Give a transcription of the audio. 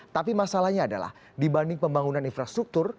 tapi masalahnya adalah dibanding pembangunan infrastruktur